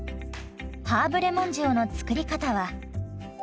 ハーブレモン塩の作り方は？